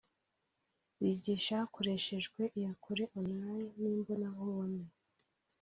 Bigisha hakoreshejwe iya kure (online) n’imbonankubone